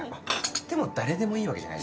でも誰でもいいわけじゃない。